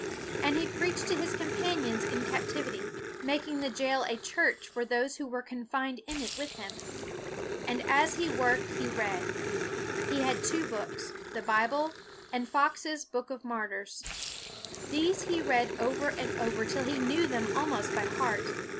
And he preached to his companions in captivity , making the jail a church for those who were confined in it with him. And as he worked, he read. He had two books, the Bible and Foxe's " Book of Martyrs." These he read over and over, till he knew them almost by heart.